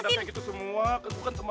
kedepan kayak gitu semua